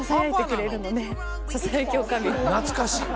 懐かしい。